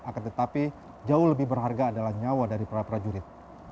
akan tetapi jauh lebih berharga adalah nyawa dari prajurit